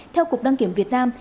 theo cục đăng kiểm việt nam